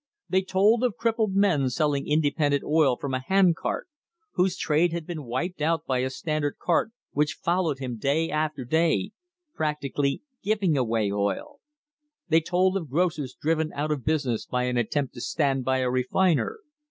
They told of crippled men selling independent oil from a hand cart, whose trade had been wiped out by a Standard cart which followed him day by day, practically giving away oil. They told of grocers driven out of business by an attempt to stand by a refiner.